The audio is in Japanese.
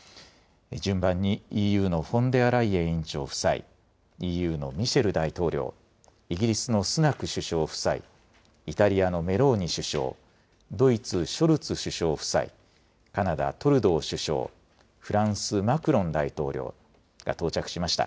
順番にＥＵのフォンデアライエン委員長夫妻、ＥＵのミシェル大統領、イギリスのスナク首相夫妻、イタリアのメローニ首相、ドイツ、ショルツ首相夫妻、カナダ、トルドー首相、フランス、マクロン大統領が到着しました。